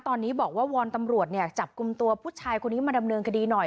ตอนนี้บอกว่าวอนตำรวจเนี่ยจับกลุ่มตัวผู้ชายคนนี้มาดำเนินคดีหน่อย